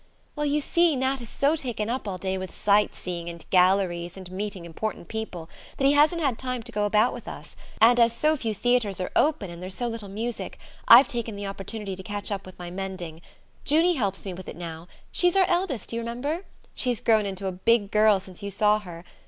"Well, you see, Nat is so taken up all day with sight seeing and galleries and meeting important people that he hasn't had time to go about with us; and as so few theatres are open, and there's so little music, I've taken the opportunity to catch up with my mending. Junie helps me with it now she's our eldest, you remember? She's grown into a big girl since you saw her.